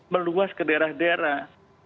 meluas ke daerah daerah